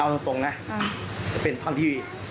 เอาตรงนะจะเป็นท่อนที่